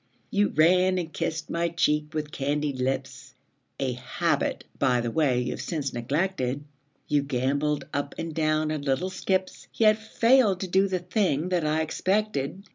You ran and kissed my cheek with candied lips, A habit, by the way, you've since neglected ; You gambolled up and down in little skips, Yet failed to do the thing that I expected.